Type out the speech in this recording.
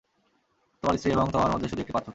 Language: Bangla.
তোমার স্ত্রী এবং তোমার মধ্যে শুধু একটি পার্থক্য।